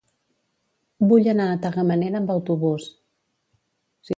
Vull anar a Tagamanent amb autobús.